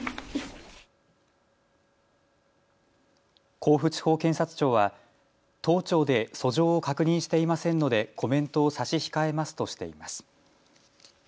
甲府地方検察庁は当庁で訴状を確認していませんのでコメントを差し控えますとしています。